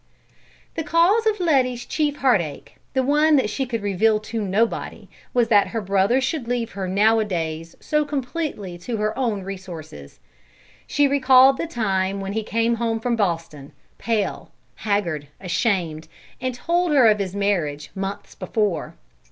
'" The cause of Letty's chief heartache, the one that she could reveal to nobody, was that her brother should leave her nowadays so completely to her own resources. She recalled the time when he came home from Boston, pale, haggard, ashamed, and told her of his marriage, months before.